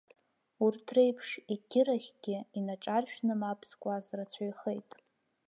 Урҭ реиԥш егьырахьгьы инаҿаршәны мап зкуаз рацәаҩхеит.